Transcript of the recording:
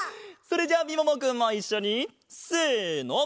それじゃあみももくんもいっしょにせの！